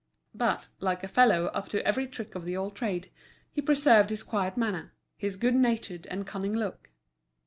But, like a fellow up to every trick of the old trade, he preserved his quiet manner, his good natured and cunning look.